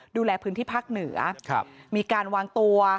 ดูแลพื้นที่ภาคเหนือมีการวางตัว